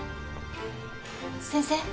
先生。